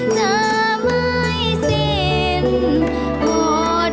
จะไม่สินอุตสัตว์ของแผ่นดิน